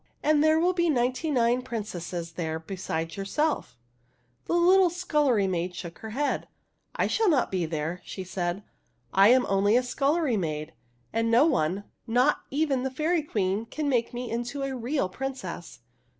And there will be ninety nine princesses there be sides yourself." The little scullery maid shook her head. '' I shall not be there," she said. "I am only a scullery maid ; and no one, not even the Fairy Queen, can make me into a real princess."